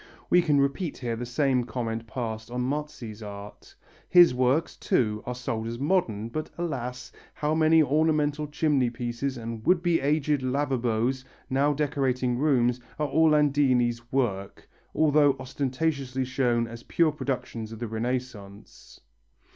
We can repeat here the same comment passed on Marzi's art: his works, too, are sold as modern, but, alas, how many ornamental chimneypieces and would be aged lavabos now decorating rooms, are Orlandini's work, although ostentatiously shown as pure productions of the Renaissance.